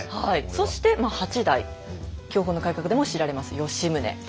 そして８代享保の改革でも知られます吉宗ですとか。